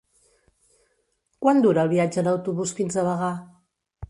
Quant dura el viatge en autobús fins a Bagà?